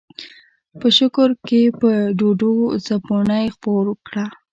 په شکور کښې په ډوډو څپُوڼے خپور کړه۔